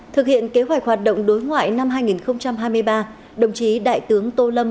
thực hiện kế hoạch hoạt động đối ngoại năm hai nghìn hai mươi ba đồng chí đại tướng tô lâm